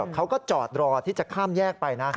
เขาก็จอดรอที่จะข้ามแยกไปนะ